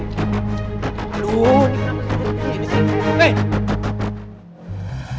aduh di sini